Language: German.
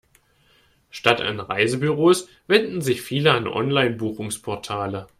Statt an Reisebüros wenden sich viele an Online-Buchungsportale.